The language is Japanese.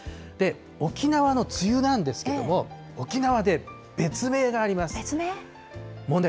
沖縄の梅雨なんですけども、沖縄で別名があります。